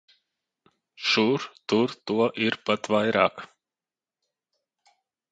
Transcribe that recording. Šur tur to ir pat vēl vairāk.